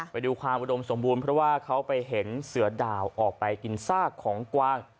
ไปดูความอุดมสมบูรณ์เพราะว่าเขาไปเห็นเสือดาวออกไปกินซากของกวาง